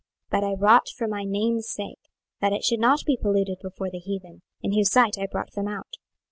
26:020:014 But I wrought for my name's sake, that it should not be polluted before the heathen, in whose sight I brought them out.